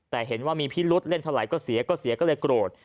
แต่เห็นว่ามีพิรุษเล่นเท่าไหร่ก็เสียก็เสียก็เลยโกรธ